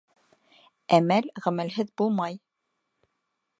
Әмәл ғәмәлһеҙ булмай.